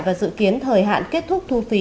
và dự kiến thời hạn kết thúc thu phí